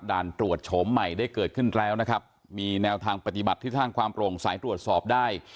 ด่านตรวจโฉมใหม่ได้เกิดขึ้นแล้วนะครับมีแนวทางปฏิบัติที่สร้างความโปร่งสายตรวจสอบได้